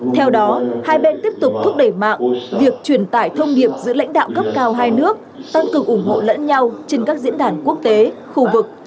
theo đó hai bên tiếp tục thúc đẩy mạng việc truyền tải thông điệp giữa lãnh đạo cấp cao hai nước tăng cường ủng hộ lẫn nhau trên các diễn đàn quốc tế khu vực